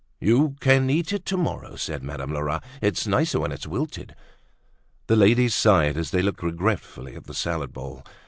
"You can eat it to morrow," said Madame Lerat; "it's nicer when its wilted." The ladies sighed as they looked regretfully at the salad bowl.